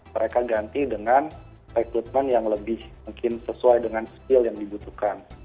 mereka ganti dengan rekrutmen yang lebih mungkin sesuai dengan skill yang dibutuhkan